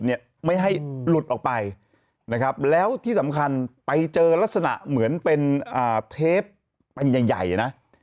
เนี่ยไม่ให้หลุดออกไปนะครับแล้วที่สำคัญไปเจอลักษณะเหมือนเป็นเทปเป็นใหญ่ใหญ่นะ